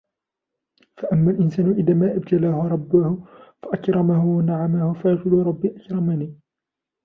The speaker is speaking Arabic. فأما الإنسان إذا ما ابتلاه ربه فأكرمه ونعمه فيقول ربي أكرمن